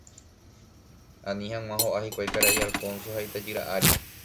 Ani hag̃ua ho'a hikuái karai Alfonso ha itajýra ári